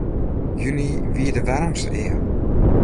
Juny wie de waarmste ea.